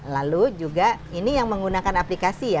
lalu juga ini yang menggunakan aplikasi ya